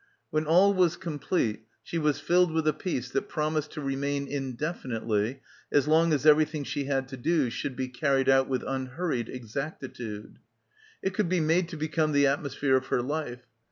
When all was complete she was filled with a peace that promised to remain indefinitely as long as everything she had to do should be carried out with unhurried exactitude. It could be made to become the atmosphere of her life.